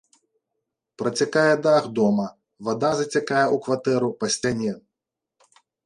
Працякае дах дома, вада зацякае ў кватэру па сцяне.